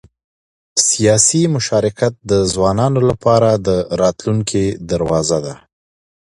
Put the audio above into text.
سیاسي مشارکت د ځوانانو لپاره د راتلونکي دروازه ده